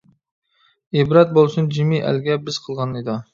ئىبرەت بولسۇن جىمى ئەلگە، بىز قىلغان نىدا.